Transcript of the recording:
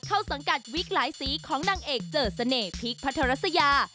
สังกัดวิกหลายสีของนางเอกเจอเสน่ห์พีคพัทรัสยา